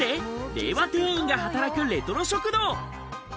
令和店員が働くレトロ食堂。